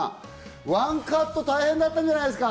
ワンカット大変だったんじゃないですか？